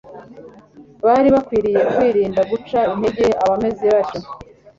bari bakwiriye kwirinda guca intege abameze batyo.